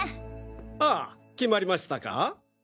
ああ決まりましたか？